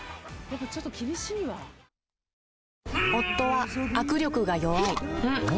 夫は握力が弱い